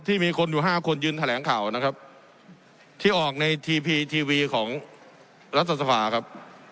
มีคนอยู่ห้าคนยืนแถลงข่าวนะครับที่ออกในทีพีทีวีของรัฐสภาครับ